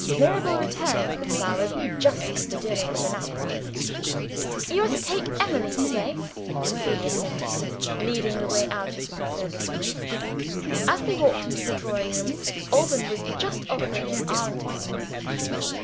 Mirabel returned with the flowers, just as dinner was announced. "You are to take Emily to day," Cecilia said to him, leading the way out of the conservatory. As they entered the drawing room, Alban was just offering his arm to Emily.